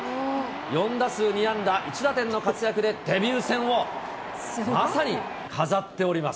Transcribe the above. ４打数２安打１打点の活躍で、デビュー戦をまさに飾っております。